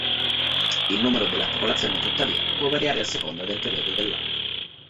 Il numero della popolazione, tuttavia, può variare a seconda del periodo dell'anno.